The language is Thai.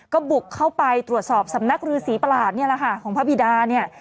ก็บุกเข้าไปตรวจสอบสำนักรือศรีประหลาดนี่แหละค่ะของพระบิดาเนี่ย